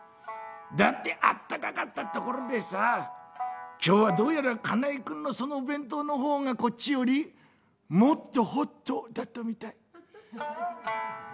だってあったかかったところでさあ今日はどうやら金井君のその弁当の方がこっちよりもっとほっとだったみたい」。